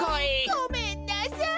ごめんなさい！